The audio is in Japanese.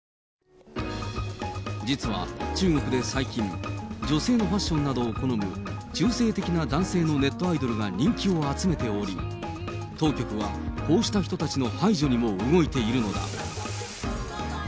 実は中国で最近、女性のファッションなどを好む中性的な男性のネットアイドルが人気を集めており、当局はこうした人たちの排除にも動いているのだ。